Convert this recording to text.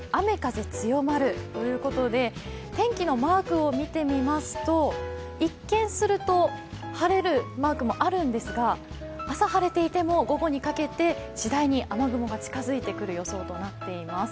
天気のマークを見てみますと、一見すると晴れるマークもあるんですが、朝晴れていても午後にかけて次第に雨雲が近づいてくる予想となっています。